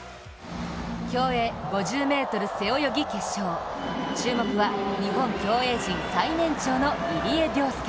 競泳５０ｍ背泳ぎ決勝、注目は日本競泳陣最年長の入江陵介。